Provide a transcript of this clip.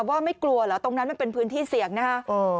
ว่าไม่กลัวเหรอตรงนั้นมันเป็นพื้นที่เสี่ยงนะฮะ